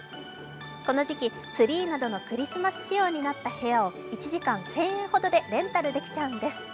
この時期、ツリーなどのクリスマス仕様になった部屋を１時間１０００円ほどでレンタルできちゃうんです。